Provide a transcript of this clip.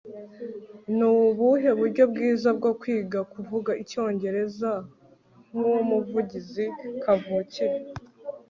nubuhe buryo bwiza bwo kwiga kuvuga icyongereza nkumuvugizi kavukire